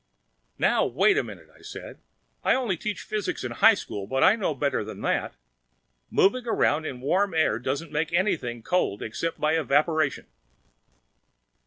"Now wait a minute," I said. "I only teach physics in high school, but I know better than that. Moving around in warm air doesn't make anything cold except by evaporation."